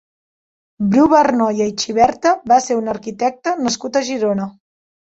Bru Barnoya i Xiberta va ser un arquitecte nascut a Girona.